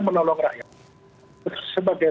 menolong rakyat sebagai